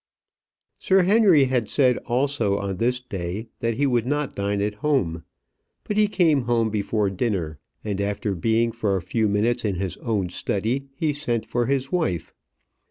Sir Henry had said also on this day that he would not dine at home; but he came home before dinner; and after being for a few minutes in his own study, he sent for his wife.